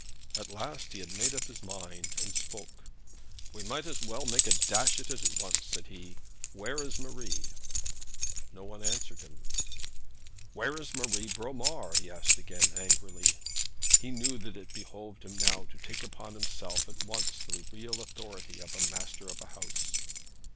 At last he had made up his mind, and spoke: 'We might as well make a dash at it at once,' said he. 'Where is Marie?' No one answered him. 'Where is Marie Bromar?' he asked again, angrily. He knew that it behoved him now to take upon himself at once the real authority of a master of a house.